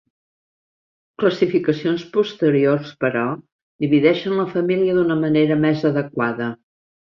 Classificacions posteriors, però, divideixen la família d'una manera més adequada.